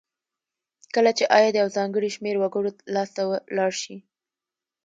کله چې عاید یو ځانګړي شمیر وګړو لاس ته لاړ شي.